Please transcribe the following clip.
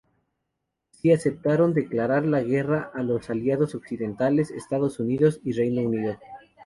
Sí aceptaron declarar la guerra a los Aliados occidentales, Estados Unidos y Reino Unido.